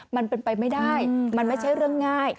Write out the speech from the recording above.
มันเป็นไปไม่ได้มันไม่ใช่เรื่องง่าย